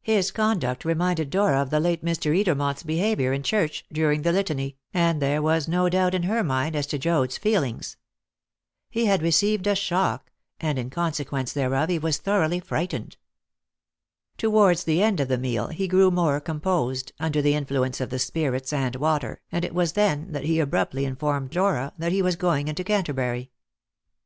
His conduct reminded Dora of the late Mr. Edermont's behaviour in church during the Litany, and there was no doubt in her mind as to Joad's feelings. He had received a shock, and in consequence thereof he was thoroughly frightened. Towards the end of the meal he grew more composed, under the influence of the spirits and water, and it was then that he abruptly informed Dora that he was going into Canterbury.